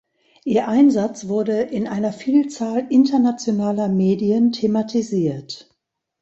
Ihr Einsatz wurde in einer Vielzahl internationaler Medien thematisiert.